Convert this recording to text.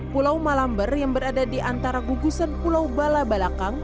pulau malamber yang berada di antara gugusan pulau balabalakang